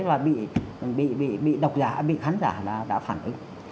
vì nó bị bị bị đọc giả bị khán giả đã đã phản ứng